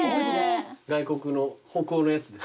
外国の北欧のやつです。